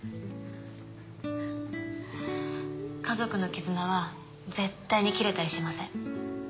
家族の絆は絶対に切れたりしません。